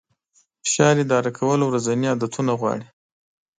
فشار اداره کول ورځني عادتونه غواړي.